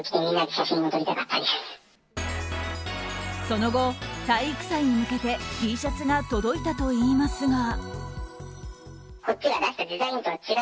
その後、体育祭に向けてＴシャツが届いたといいますが。